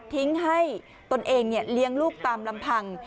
ทิ้งให้ตนเองเลี้ยงลูกตามลำพัง